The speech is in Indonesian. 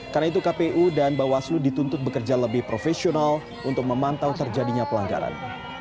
karena itu kpu dan bawaslu dituntut bekerja lebih profesional untuk memantau terjadinya pelanggaran